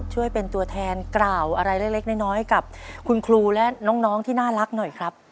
ช่วยเป็นตัวแทนกล่าวอะไรเล็กน้อยกับคุณครูและน้องที่น่ารักหน่อยครับ